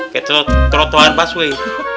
kayak terotohan pas weh